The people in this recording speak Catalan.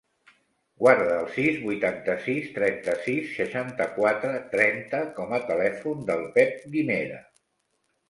Guarda el sis, vuitanta-sis, trenta-sis, seixanta-quatre, trenta com a telèfon del Pep Guimera.